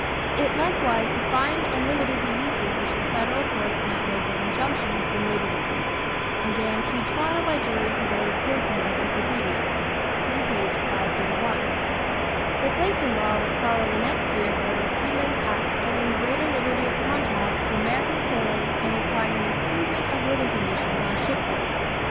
It likewise defined and limited the uses which the federal courts might make of injunctions in labor disputes and guaranteed trial by jury to those guilty of disobedience (see p. 581). The Clayton law was followed the next year by the Seamen's Act giving greater liberty of contract to American sailors and requiring an improvement of living conditions on shipboard.